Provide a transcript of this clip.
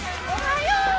おはよう。